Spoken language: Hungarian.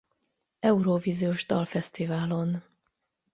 Eurovíziós dalfesztiválon.